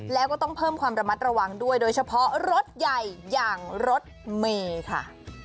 แล้วก็ต้องเพิ่มความระมัดระวังด้วยโดยเฉพาะรถใหญ่อย่างรถเมย์ค่ะ